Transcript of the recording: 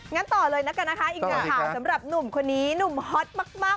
งั้นต่อเลยนะคะอีกหน่อยข่าวสำหรับหนุ่มคนนี้นุ่มฮอตมาก